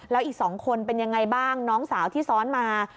แล้วอีก๒คนเป็นยังไงบ้างน้องสาวที่ซ้อนมา